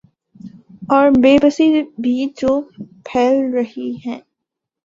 اوربے بسی بھی جو پھیل رہی ہیں۔